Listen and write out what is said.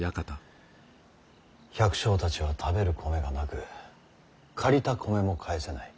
百姓たちは食べる米がなく借りた米も返せない。